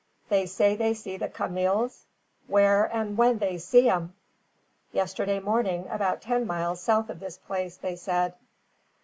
They say they see the cameels. Where an' when they see 'em?" "Yesterday morning, about ten miles south of this place, they said."